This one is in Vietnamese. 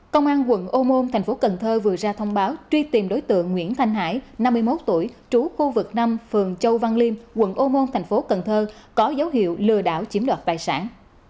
công an quận ô môn thành phố cần thơ vừa ra thông báo truy tìm đối tượng nguyễn thanh hải năm mươi một tuổi trú khu vực năm phường châu văn liêm quận ô môn thành phố cần thơ có dấu hiệu lừa đảo chiếm đoạt tài sản